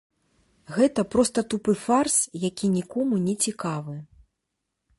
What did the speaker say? Гэта проста тупы фарс, які нікому не цікавы.